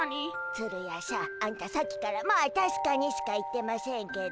ツルヤしゃんあんたさっきから「まあたしかに」しか言ってませんけど。